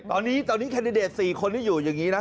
ตอนนี้แคนดิเดต๔คนที่อยู่อย่างนี้นะ